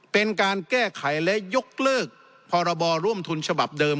เป็นการแก้ไขและยกเลิกพรบร่วมทุนฉบับเดิม